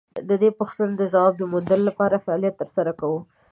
د دې پوښتنې د ځواب د موندلو لپاره فعالیت تر سره کوو.